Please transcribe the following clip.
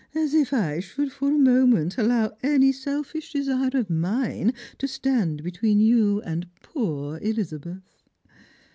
"As if I should for a moment allow any selfish desire of mine to stand between you and poor Elizabeth."